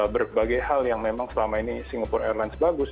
berbagai hal yang memang selama ini singapore airlines bagus